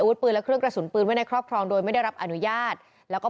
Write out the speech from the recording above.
ปืนและเครื่องกระสุนปืนไว้ในครอบครองโดยไม่ได้รับอนุญาตแล้วก็